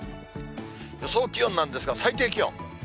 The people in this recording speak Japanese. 予想気温なんですが、最低気温。